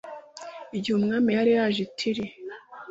igihe umwami yari yaje i tiri